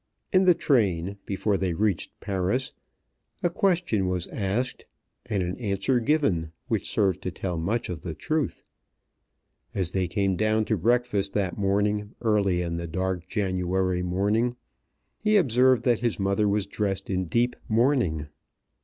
In the train, before they reached Paris, a question was asked and an answer given which served to tell much of the truth. As they came down to breakfast that morning, early in the dark January morning, he observed that his mother was dressed in deep mourning.